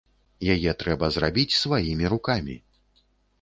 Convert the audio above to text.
Яе трэба зрабіць сваімі рукамі!